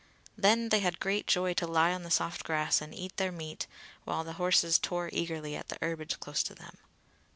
Then they had great joy to lie on the soft grass and eat their meat, while the horses tore eagerly at the herbage close to them.